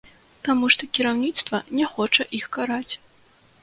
Таму што кіраўніцтва не хоча іх караць.